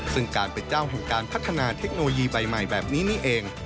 ซึ่งการเป็นเจ้าแห่งการพัฒนาเทคโนโลยีใบใหม่แบบนี้นี่เอง